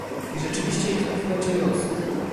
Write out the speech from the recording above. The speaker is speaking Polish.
I rzeczywiście ich wpływ będzie rósł